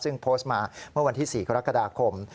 ซึ่งโพสต์มาเมื่อวันที่๔กรกฎาคม